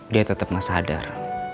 dia tetep gak sadar